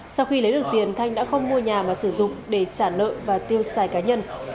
sau khi lấy được tiền thanh đã không mua nhà mà sử dụng để trả nợ và tiêu xài cá nhân